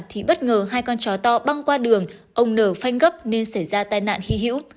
thì bất ngờ hai con chó to băng qua đường ông nở phanh gấp nên xảy ra tai nạn hy hữu